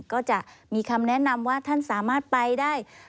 ก็จะมีคำแนะนำว่าท่านสามารถไปได้